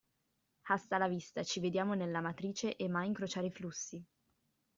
Hasta la vista, ci vediamo nella matrice e mai incrociare i flussi!